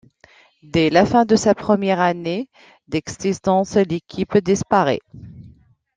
Dès la fin de sa première année d'existence, l'équipe disparaît.